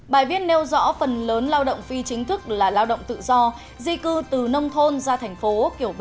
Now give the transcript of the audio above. bài viết nêu rõ phần lớn lao động phi chính thức là lao động tự do di cư từ nông thôn ra thành phố kiểu ba